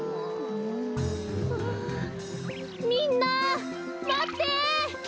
ああみんなまって！